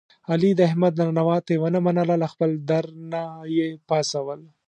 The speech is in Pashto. علي د احمد ننواتې و نه منله له خپل در نه یې پا څول.